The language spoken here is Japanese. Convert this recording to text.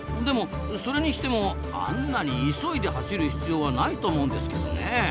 でもそれにしてもあんなに急いで走る必要はないと思うんですけどねえ。